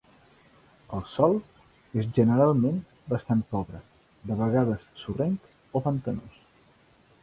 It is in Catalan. El sòl és generalment bastant pobre, de vegades sorrenc o pantanós.